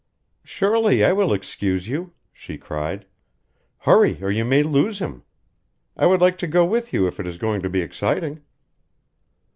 "Surely I will excuse you," she cried. "Hurry, or you may lose him. I would like to go with you if it is going to be exciting."